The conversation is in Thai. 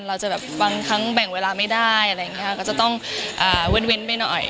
เราจะแบบบางครั้งแบ่งเวลาไม่ได้อะไรอย่างนี้ค่ะก็จะต้องเว้นไปหน่อย